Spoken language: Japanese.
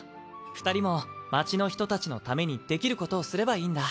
二人も町の人たちのためにできることをすればいいんだ。